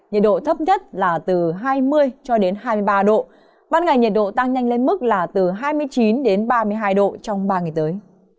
nhiệt độ thấp nhất là từ hai mươi cho đến hai mươi ba độ ban ngày nhiệt độ tăng nhanh lên mức là từ hai mươi chín đến ba mươi hai độ trong ba ngày tới